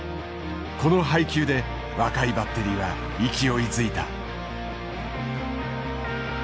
この配球で若いバッテリーは勢いづいた。